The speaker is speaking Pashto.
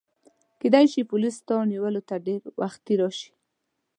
کیدای شي پولیس ستا نیولو ته ډېر وختي راشي.